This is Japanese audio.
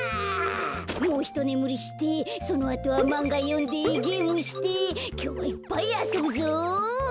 もうひとねむりしてそのあとはまんがよんでゲームしてきょうはいっぱいあそぶぞ！